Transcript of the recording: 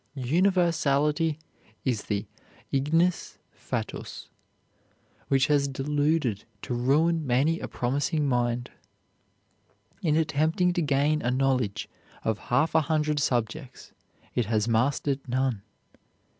Universality is the ignis fatuus which has deluded to ruin many a promising mind. In attempting to gain a knowledge of half a hundred subjects it has mastered none.